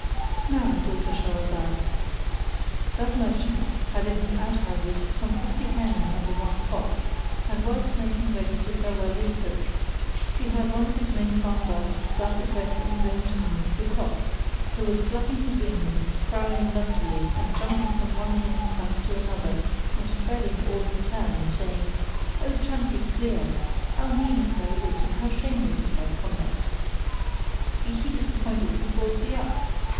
Now, daughter Shahrazad, that mer chant had in his out houses some fifty hens under one cock, and whilst making ready to farewell his folk he heard one of his many farm dogs thus address in his own tongue the Cock, who was flapping his wings and crowing lustily and jumping from one hen's back to another and treading all in turn, saying "O Chanticleer! how mean is thy wit and how shameless is thy conduct! Be he disappointed who brought thee up!